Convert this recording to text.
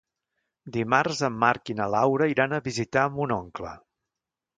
Dimarts en Marc i na Laura iran a visitar mon oncle.